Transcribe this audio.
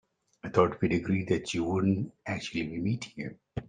I thought we'd agreed that you wouldn't actually be meeting him?